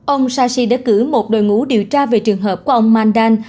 ông sashi đã cử một đội ngũ điều tra về trường hợp của ông mandan